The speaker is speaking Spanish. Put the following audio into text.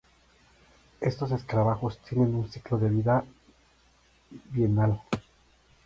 Estos escarabajos tienen un ciclo de vida bienal.